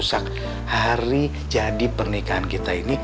saat hari jadi pernikahan kita ini